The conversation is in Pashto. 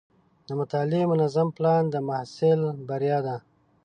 د مطالعې منظم پلان د محصل بریا ده.